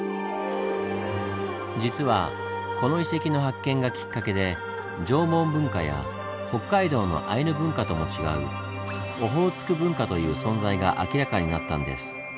実はこの遺跡の発見がきっかけで縄文文化や北海道のアイヌ文化とも違う「オホーツク文化」という存在が明らかになったんです。